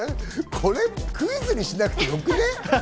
これ、クイズにしなくてよくね？